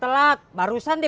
tuhan ku terus nangkar